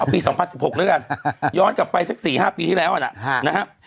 เอาปี๒๐๑๖ด้วยกันย้อนกลับไปสัก๔๕ปีที่แล้วอ่ะนะ